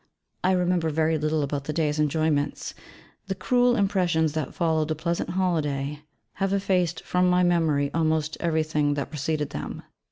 I remember very little about the day's enjoyments the cruel impressions that followed the pleasant holiday have effaced from my memory almost everything that preceded them.